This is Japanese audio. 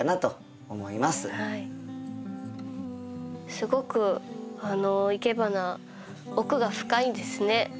すごくいけばな奥が深いんですね。